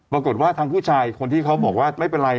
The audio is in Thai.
ปรากฏว่าทางผู้ชายคนที่เขาบอกว่าไม่เป็นไร